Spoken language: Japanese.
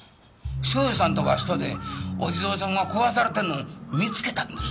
祥英さんとわしとでお地蔵さんが壊されてんのを見つけたんです。